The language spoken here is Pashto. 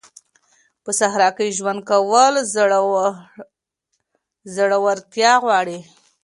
په صحرا کي ژوند کول زړورتيا غواړي.